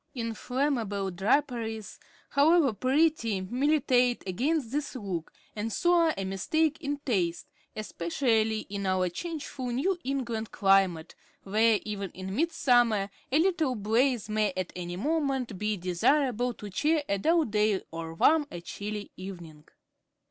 Inflammable draperies, however pretty, militate against this look, and so are a mistake in taste, especially in our changeful New England climate, where, even in midsummer, a little blaze may at any moment be desirable to cheer a dull day or warm a chilly evening.